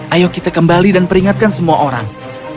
ayo kita kembali dan peringatkan semua orang